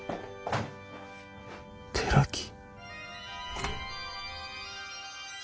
寺木？